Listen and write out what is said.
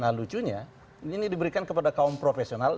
nah lucunya ini diberikan kepada kaum profesional